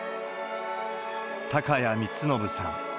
高谷光信さん。